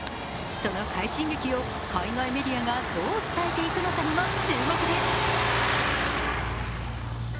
その快進撃を海外メディアがどう伝えていくのかにも注目です。